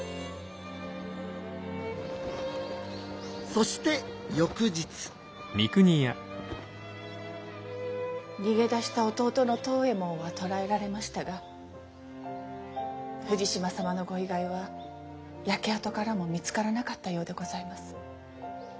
そして翌日逃げ出した弟の藤右衛門は捕らえられましたが富士島様のご遺骸は焼け跡からも見つからなかったようでございます。